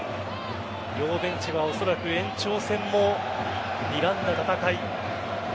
両ベンチはおそらく延長戦もにらんだ戦い。